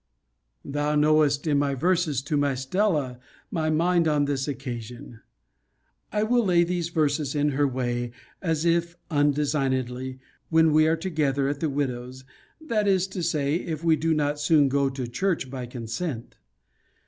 Thou knowest, in my verses to my Stella, my mind on this occasion. I will lay those verses in her way, as if undesignedly, when we are together at the widow's; that is to say, if we do not soon go to church by consent.